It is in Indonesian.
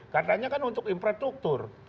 katanya kan untuk infrastruktur